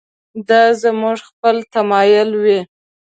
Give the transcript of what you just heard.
دا زموږ خپل تمایل وي.